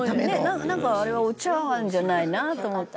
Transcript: なんかあれはお茶碗じゃないなと思って」